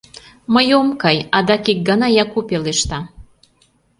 — Мый ом кай, — адак ик гана Яку пелешта.